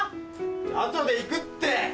後で行くって！